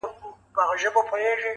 • سم لكه ماهى يو سمندر تر ملا تړلى يم.